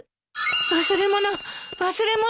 忘れ物忘れ物。